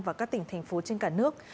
và các tỉnh thành phố trên cả nước